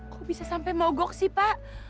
kok bisa sampai mogok sih pak